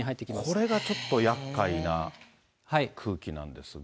これがちょっとやっかいな空気なんですが。